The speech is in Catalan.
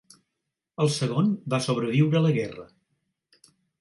El segon va sobreviure a la guerra.